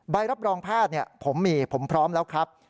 ใบรับรองแพทย์ผมมีผมพร้อมแล้วครับ